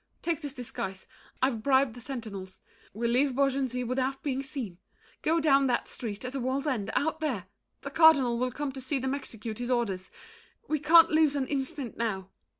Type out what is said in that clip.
Take this disguise. I've bribed the sentinels. We'll leave Beaugency without being seen. Go down that street, at the wall's end, out there! The Cardinal will come to see them execute His orders; we can't lose an instant now.